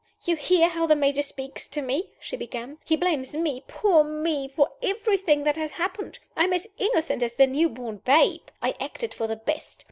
"You hear how the Major speaks to me?" she began. "He blames me poor Me for everything that has happened. I am as innocent as the new born babe. I acted for the best.